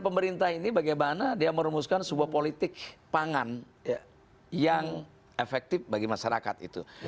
pemerintah ini bagaimana dia merumuskan sebuah politik pangan yang efektif bagi masyarakat itu